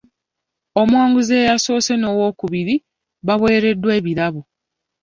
Omuwanguzi eyasoose n'owookubiri baaweereddwa ebirabo.